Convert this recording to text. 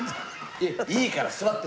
いいから座って！